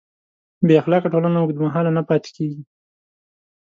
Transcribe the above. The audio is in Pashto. بېاخلاقه ټولنه اوږدمهاله نه پاتې کېږي.